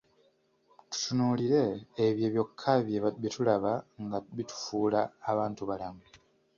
Tutunuulire ebyo byokka bye tulaba nga bitufuula abantubalamu.